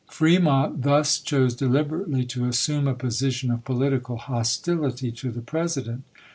Fremont thus chose deliberately to assume a position of political hostility to the President.